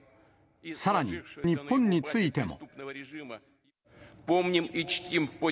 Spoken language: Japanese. さらに、日本についても。